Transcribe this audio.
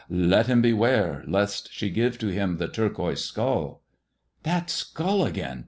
Let ] beware, lest she give to him the turquoise skulL" " That skull again